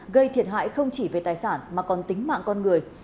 gây thiệt hại không chỉ về tài sản mà còn tính mạng con người